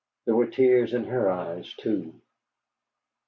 There were tears in her eyes, too.